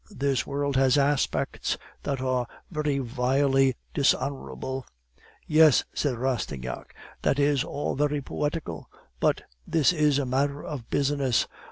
This world has aspects that are very vilely dishonorable.' "'Yes,' said Rastignac, 'that is all very poetical, but this is a matter of business.